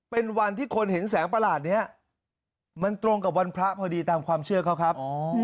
เป็นวันที่คนเห็นแสงประหลาดนี้มันตรงกับวันพระพอดีตามความเชื่อเขาครับ